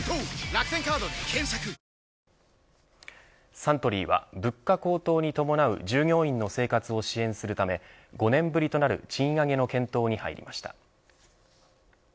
サントリーは、物価高騰に伴う従業員の生活を支援するため５年ぶりとなる賃上げの検討に入りました。